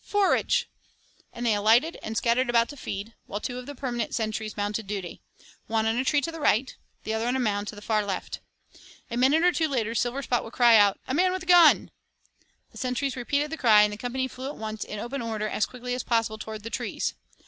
'Forage!' and they alighted and scattered about to feed, while two of the permanent sentries mounted duty one on a tree to the right, the other on a mound to the far left. A minute or two later Silverspot would cry out, 'A man with a gun!' The sentries repeated the cry and the company flew at once in open order as quickly as possible toward the trees.